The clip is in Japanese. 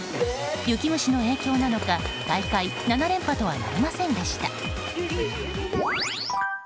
雪虫の影響なのか大会７連覇とはなりませんでした。